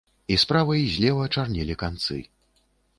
І справа і злева чарнелі канцы.